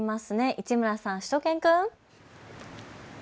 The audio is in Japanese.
市村さん、しゅと犬くん。